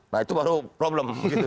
nah itu baru problem